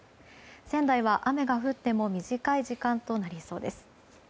仙台は雨が降っても短い時間となりそうです。